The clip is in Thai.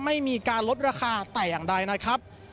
ไม่มีการลดราคาแต่อย่างใดนะครับ